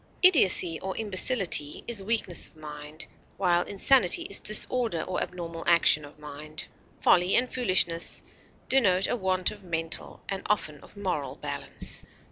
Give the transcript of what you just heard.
Idiocy or imbecility is weakness of mind, while insanity is disorder or abnormal action of mind. Folly and foolishness denote a want of mental and often of moral balance.